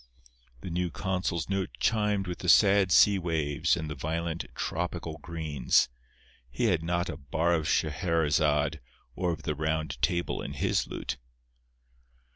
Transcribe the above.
The new consul's note chimed with the sad sea waves and the violent tropical greens—he had not a bar of Scheherezade or of the Round Table in his lute.